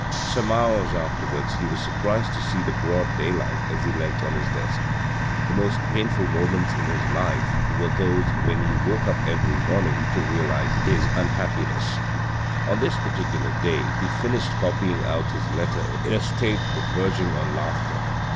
Some hours afterwards he was surprised to see the broad daylight as he lent on his desk. The most painful moments MORAL LOVE 417 in his life were those when he woke up every morning to realise his unhappiness. On this particular day he finished copying out his letter in a state verging on laughter.